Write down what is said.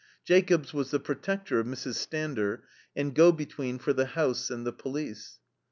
Jacobs was the "protector" of Mrs. Stander, and go between for the house and the police.